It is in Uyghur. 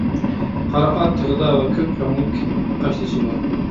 قارا ئات تېغىدا ۋە كۆك رەڭلىك قاشتېشى بار.